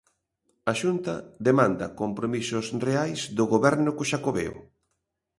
A Xunta demanda compromisos reais do Goberno co Xacobeo.